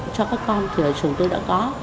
cho các con thì ở trường tôi đã có